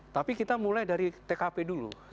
tapi kita mulai dari tkp dulu